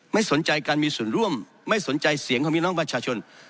ไม่สนใจการมีส่วนร่วมไม่สนใจเสียงของพี่น้องประชาชน